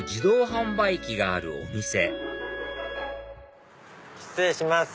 販売機があるお店失礼します。